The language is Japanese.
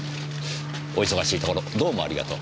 お忙しいところどうもありがとう。